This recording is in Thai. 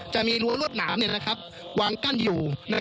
รั้วรวดหนามวางกั้นอยู่